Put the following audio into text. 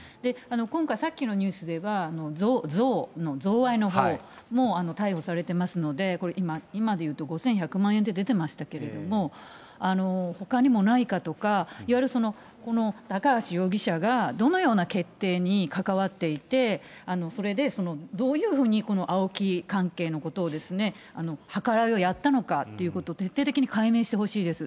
今回、さっきのニュースでは、贈賄のほうでも逮捕されてますので、今でいうと５１００万円って出てましたけれども、ほかにもないかとか、いわゆるこの高橋容疑者がどのような決定に関わっていて、それでどういうふうにこのＡＯＫＩ関係のことを計らいをやったのかということを、徹底的に解明してほしいです。